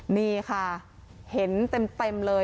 นี่ค่ะเห็นเต็มเลย